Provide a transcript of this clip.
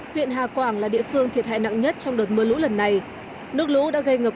huyện hà quảng là địa phương thiệt hại nặng nhất trong đợt mưa lũ lần này nước lũ đã gây ngập